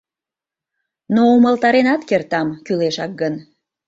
Но умылтаренат кертам, кӱлешак гын.